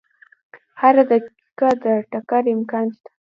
هره دقیقه د ټکر امکان شته.